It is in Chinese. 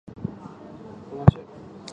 行政上属于石岛管理区。